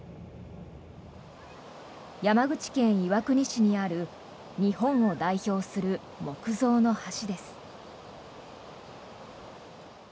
山口県岩国市にある日本を代表する木造の橋です。